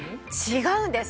違うんです。